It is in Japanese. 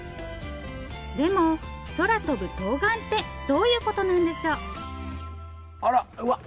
でも空飛ぶとうがんってどういうことなんでしょうあら！